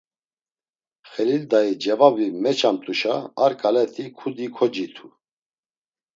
Xelil Dai cevabi meçamt̆uşa ar ǩaleti kudi kocitu.